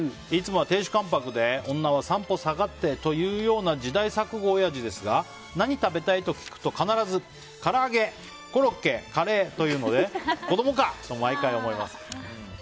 いつもは亭主関白で女は三歩下がってというような時代錯誤おやじですが何食べたい？と聞くと必ずから揚げコロッケ、カレーというので子供か！と毎回思います。